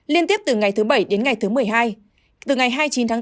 liên tiếp từ ngày thứ bảy đến ngày thứ một mươi hai từ ngày hai mươi chín tháng bốn